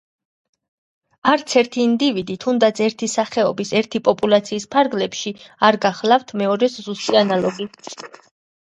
არცერთი ინდივიდი, თუნდაც ერთი სახეობის, ერთი პოპულაციის ფარგლებში, არ გახლავთ მეორეს ზუსტი ანალოგი.